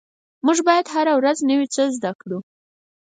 مونږ باید هره ورځ نوي څه زده کړو